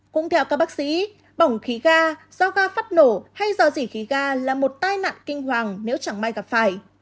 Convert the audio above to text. cũng theo các bác sĩ bỏng khí ga do ga phát nổ hay do dỉ khí ga là một tai nạn kinh hoàng nếu chẳng may gặp phải